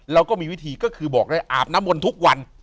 เราก็มีวิธีก็คือบอกได้อาบน้ำมนต์ทุกวัน